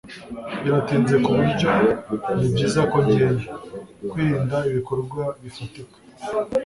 Biratinze kuburyo nibyiza ko ngenda. (kwirinda ibikorwa bifatika)